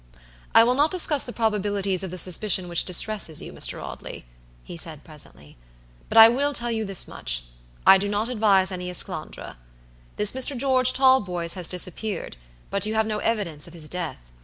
"I will not discuss the probabilities of the suspicion which distresses you, Mr. Audley," he said, presently, "but I will tell you this much, I do not advise any esclandre. This Mr. George Talboys has disappeared, but you have no evidence of his death.